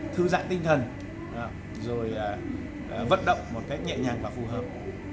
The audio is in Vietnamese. thư giãn tinh thần vận động một cách nhẹ nhàng và phù hợp